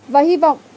và hy vọng